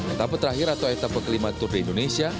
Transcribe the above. etape terakhir atau etape kelima tour de indonesia